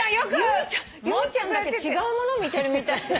由美ちゃんだけ違うもの見てるみたい。